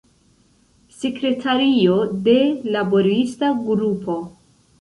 Sekretario de laborista grupo.